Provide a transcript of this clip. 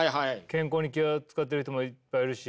健康に気を遣ってる人もいっぱいいるし。